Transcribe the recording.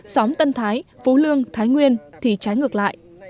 xóm tân thái phú lương thái nguyên thì trái ngược lại